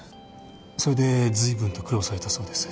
それで随分と苦労されたそうです。